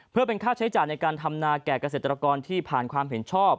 เพื่อเป็นค่าใช้จ่ายในการทำนาแก่เกษตรกรที่ผ่านความเห็นชอบ